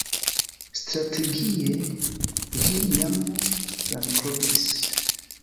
Strategie, ĝi jam bankrotis.